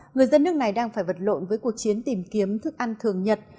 người dân nước này đang phải vật lộn với cuộc chiến tìm kiếm thức ăn thường nhật